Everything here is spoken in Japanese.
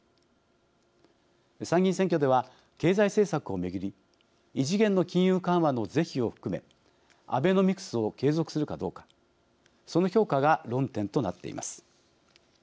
参議院選挙では経済政策を巡り異次元の金融緩和の是非を含めアベノミクスを継続するかどうかその評価が論点となっています。